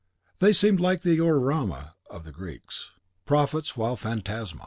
They seemed like the Orama of the Greeks, prophets while phantasma.